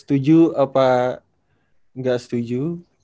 setuju apa gak setuju